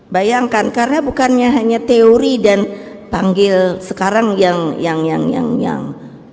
bayangkan karena bukannya hanya teori dan panggil sekarang yang yang yang yang yang